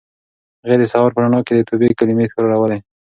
هغې د سهار په رڼا کې د توبې کلمې تکرارولې.